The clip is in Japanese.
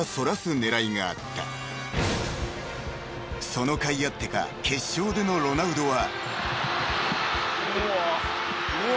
［そのかいあってか決勝でのロナウドは］